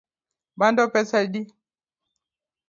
Bando pesa adi?